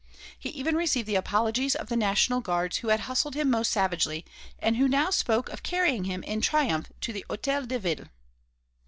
He even received the apologies of the National Guards who had hustled him the most savagely and who now spoke of carrying him in triumph to the Hôtel de Ville.